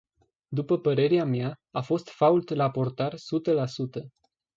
După părerea mea, a fost fault la portar sută la sută.